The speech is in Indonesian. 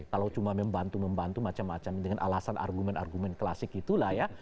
kalau cuma membantu membantu macam macam dengan alasan argumen argumen klasik itulah ya